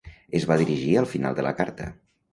Es va dirigir al final de la carta.